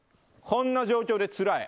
こんな状況で辛い。